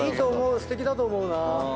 すてきだと思うな。